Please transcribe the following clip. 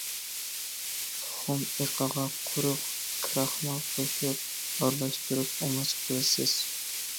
تۇخۇم ئېقىغا قۇرۇق كىراخمال قوشۇپ ئارىلاشتۇرۇپ ئۇماچ قىلىسىز.